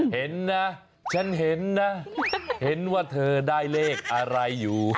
เห็นนะฉันเห็นนะเห็นว่าเธอได้เลขอะไรอยู่